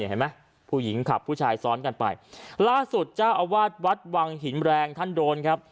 เห็นไหมผู้หญิงขับผู้ชายซ้อนกันไปล่าสุดเจ้าอาวาสวัดวังหินแรงท่านโดนครับ